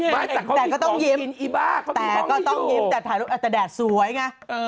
แต่ก็ต้องยิ้มแต่ก็ต้องยิ้มแต่ถ่ายรูปแต่แดดสวยไง